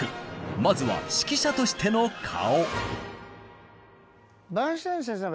まずは指揮者としての顔。